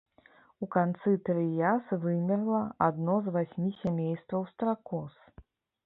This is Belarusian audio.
У канцы трыяс вымерла адно з васьмі сямействаў стракоз.